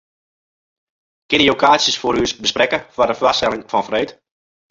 Kinne jo kaartsjes foar ús besprekke foar de foarstelling fan freed?